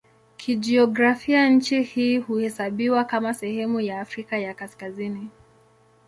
Kijiografia nchi hii huhesabiwa kama sehemu ya Afrika ya Kaskazini.